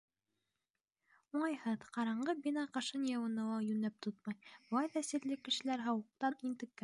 Уңайһыҙ, ҡараңғы бина ҡышын йылыны ла йүнләп тотмай: былай ҙа сирле кешеләр һыуыҡтан интеккән.